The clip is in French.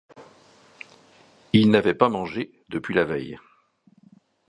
Il n’avait pas mangé depuis la veille.